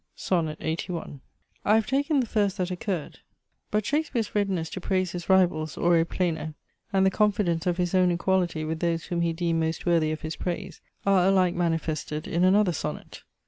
SONNET LXXXI. I have taken the first that occurred; but Shakespeare's readiness to praise his rivals, ore pleno, and the confidence of his own equality with those whom he deemed most worthy of his praise, are alike manifested in another Sonnet.